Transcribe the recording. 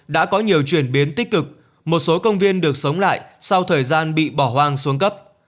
đã có nhiều chuyển biến tích cực một số công viên được sống lại sau thời gian bị bỏ hoang xuống cấp